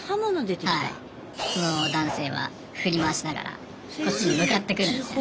その男性は振り回しながらこっちに向かってくるんですよね。